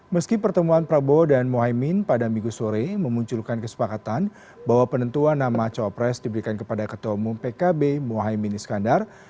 meski pertemuan prabowo dan mohaimin pada minggu sore memunculkan kesepakatan bahwa penentuan nama cawapres diberikan kepada ketua umum pkb mohaimin iskandar